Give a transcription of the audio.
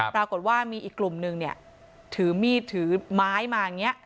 ปรากฏว่ามีอีกกลุ่มนึงเนี่ยถือมีดถือไม้มาอย่างนี้